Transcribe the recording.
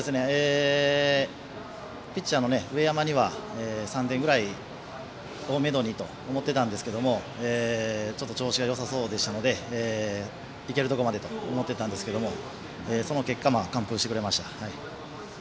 ピッチャーの上山には３点ぐらいをめどにと思ってたんですけどちょっと調子がよさそうでしたのでいけるところまでと思ってたんですがその結果、完封してくれました。